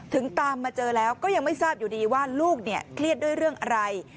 ตามมาเจอแล้วก็ยังไม่ทราบอยู่ดีว่าลูกเนี่ยเครียดด้วยเรื่องอะไร